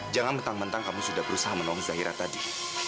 jangan mentang mentang kamu sudah berusaha menong zahira tadi